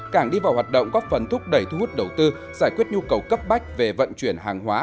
cảng đi vào hoạt động góp phần thúc đẩy thu hút đầu tư giải quyết nhu cầu cấp bách về vận chuyển hàng hóa